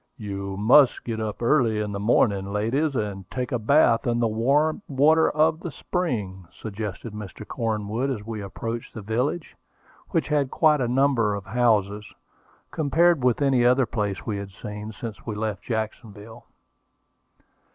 "You must get up early in the morning, ladies, and take a bath in the warm water of the spring," suggested Mr. Cornwood as we approached the village, which had quite a number of houses, compared with any other place we had seen since we left Jacksonville.